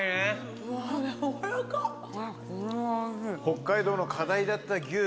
北海道の課題だった牛。